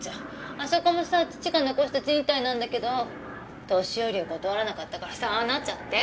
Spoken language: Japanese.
あそこもさ父が遺した賃貸なんだけど年寄りを断らなかったからああなっちゃって。